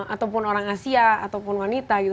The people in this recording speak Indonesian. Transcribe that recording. ataupun orang asia ataupun wanita gitu